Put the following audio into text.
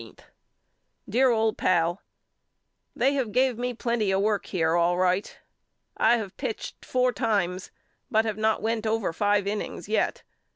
DEAR OLD PAL: They have gave me plenty of work here all right. I have pitched four times but have not went over five innings yet.